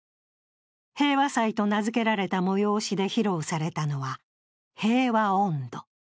平和祭と名付けられた催しで披露されたのは平和温度。